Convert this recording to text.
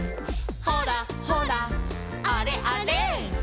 「ほらほらあれあれ」